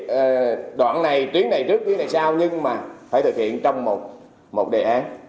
có thể đoạn này tuyến này trước tuyến này sau nhưng mà phải thực hiện trong một đề án